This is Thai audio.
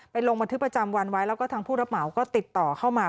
ลงบันทึกประจำวันไว้แล้วก็ทางผู้รับเหมาก็ติดต่อเข้ามา